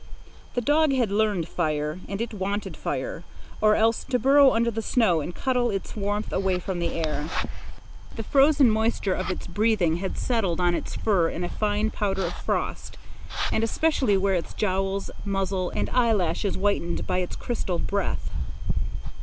The dog had learned fire, and it wanted fire, or else to burrow under the snow and cuddle its warmth away from the air. The frozen moisture of its breathing had settled on its fur in a fine powder of frost, and especially were its jowls, muzzle, and eyelashes whitened by its crystalled breath.